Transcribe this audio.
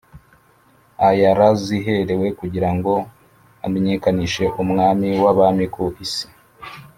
ayaraziherewe kugira ngo amenyekanishe umwami w’abami ku isi.